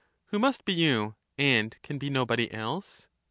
Who must be you, and can be nobody else